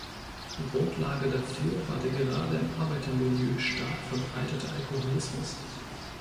Grundlage dafür war der gerade im Arbeitermilieu stark verbreitete Alkoholismus.